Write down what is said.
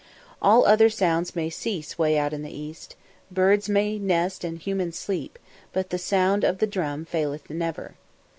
All other sounds may cease way out in the East; birds may nest and humans sleep; but the sound of the drum faileth never.